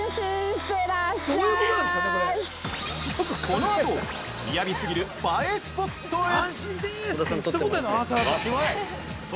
◆このあと、みやびすぎる映えスポットへ！